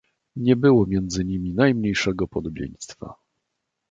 "Nie było między nimi najmniejszego podobieństwa."